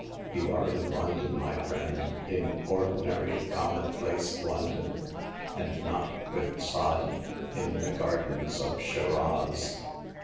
You are in London, my friend— in ordinary, com monplace London ; and not with Sa'adi in the gardens of Shiraz.'